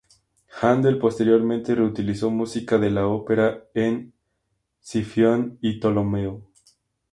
Händel posteriormente reutilizó música de la ópera en "Scipione" y "Tolomeo.